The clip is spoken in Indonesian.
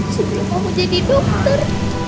sebelum aku jadi dokter